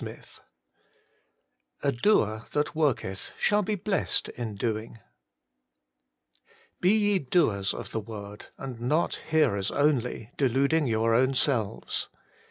XXVII H Doer tbat worketb sball be blessed in BoirxQ ' Be ye doers of the word, and not hearers only, deluding your own selves.